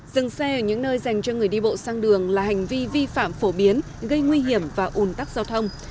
dừng xe ở những nơi dành cho người đi bộ sang đường là hành vi vi phạm phổ biến gây nguy hiểm và ùn tắc giao thông